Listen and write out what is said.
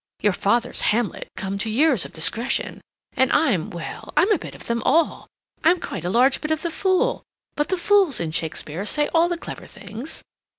Your father's Hamlet, come to years of discretion; and I'm—well, I'm a bit of them all; I'm quite a large bit of the fool, but the fools in Shakespeare say all the clever things.